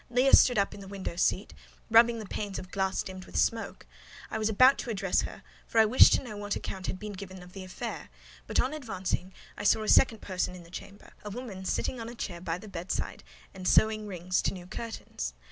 Leah stood up in the window seat, rubbing the panes of glass dimmed with smoke. I was about to address her, for I wished to know what account had been given of the affair: but, on advancing, I saw a second person in the chamber—a woman sitting on a chair by the bedside, and sewing rings to new curtains.